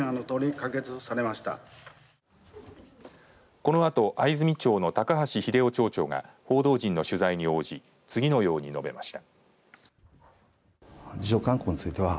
このあと、藍住町の高橋英夫町長が報道陣の取材に応じ次のように述べました。